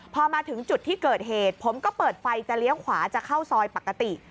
พอมาถึงจุดที่เกิดเหตุผมก็เปิดไฟจะเลี้ยวขวาจะเข้าซอยปกติ